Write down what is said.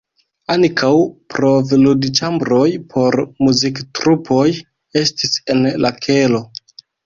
Ankaŭ provludĉambroj por muziktrupoj estis en la kelo.